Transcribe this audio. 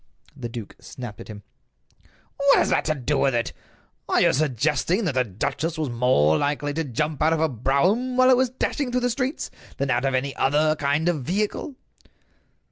The duke snapped at him: "What has that to do with it? Are you suggesting that the duchess was more likely to jump out of a brougham while it was dashing through the streets than out of any other kind of vehicle?"